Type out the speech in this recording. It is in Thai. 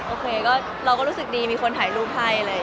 โอเคก็เราก็รู้สึกดีมีคนถ่ายรูปให้